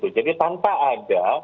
jadi tanpa ada